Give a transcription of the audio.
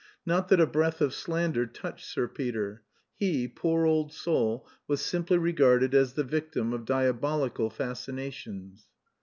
Not that a breath of slander touched Sir Peter. He, poor old soul, was simply regarded as the victim of diabolical fascinations.